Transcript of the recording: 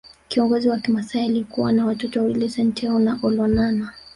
Kiongozi wa kimasai alikuwa na watoto wawili Senteu na Olonana